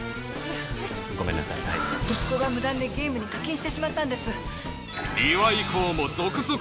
ごめんなさいはい息子が無断でゲームに課金してしまったんです